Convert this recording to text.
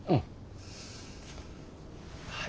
はい。